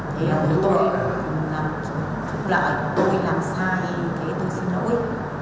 thì tôi cũng làm sai tôi xin lỗi